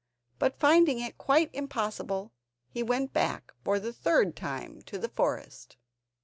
But finding it quite impossible, he went back for the third time to the forest.